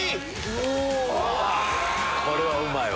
これはうまいわ！